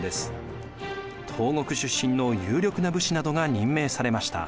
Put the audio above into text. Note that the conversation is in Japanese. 東国出身の有力な武士などが任命されました。